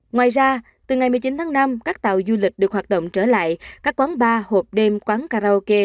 ngoài ra từ ngày một mươi chín tháng năm các tàu du lịch được hoạt động trở lại các quán bar hộp đêm quán karaoke